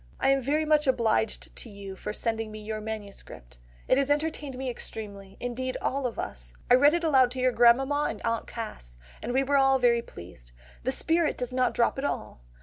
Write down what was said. "I am very much obliged to you for sending me your MS. It has entertained me extremely; indeed all of us. I read it aloud to your grandmamma and aunt Cass, and we were all very pleased. The spirit does not drop at all.